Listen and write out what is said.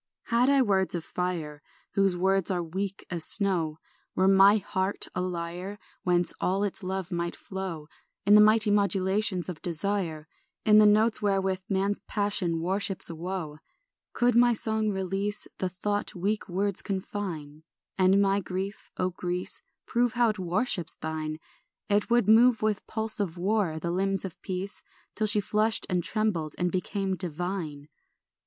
STR. 4 Had I words of fire, Whose words are weak as snow; Were my heart a lyre Whence all its love might flow In the mighty modulations of desire, In the notes wherewith man's passion worships woe; Could my song release The thought weak words confine, And my grief, O Greece, Prove how it worships thine; It would move with pulse of war the limbs of peace, Till she flushed and trembled and became divine.